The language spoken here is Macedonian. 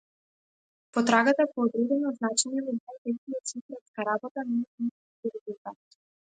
Потрагата по одредено значење во мојата идиосинкратска работа нема да има многу резултат.